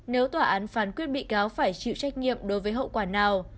nếu tòa án phán quyết bị cáo phải chịu trách nhiệm đối với hậu quả nào